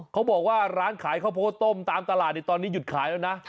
เขาบอกว่าร้านขายข้าวโพดต้มตามตลาดตอนนี้หยุดขายแล้วนะ